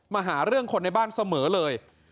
มาหาเรื่องคนในบ้านเสมอเลย